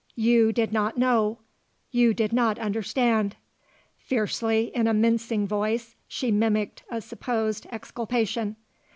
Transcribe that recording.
You did not know. You did not understand " fiercely, in a mincing voice, she mimicked a supposed exculpation.